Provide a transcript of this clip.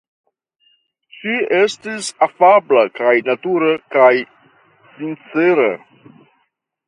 Ŝi estis afabla kaj natura kaj sincera.